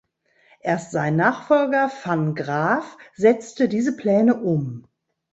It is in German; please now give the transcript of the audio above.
Erst sein Nachfolger van Graaff setzte diese Pläne um.